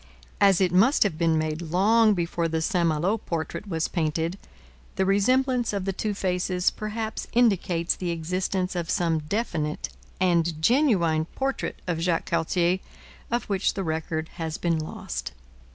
As it must have been made long before the St Malo portrait was painted, the resemblance of the two faces perhaps indicates the existence of some definite and genuine portrait of Jacques Cartier, of which the record has been lost.